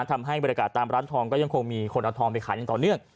ทำให้บริการตามร้านทองก็ยังคงมีคนเอาทองไปขายอย่างต่อเนื่อง